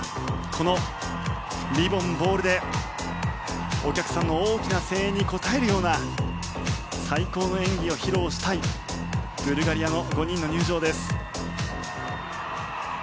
このリボン・ボールでお客さんの大きな声援に応えるような最高の演技を披露したいブルガリアの５人の入場です。